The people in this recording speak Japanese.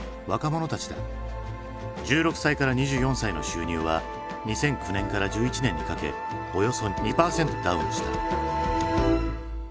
１６歳から２４歳の収入は２００９年から１１年にかけおよそ２％ダウンした。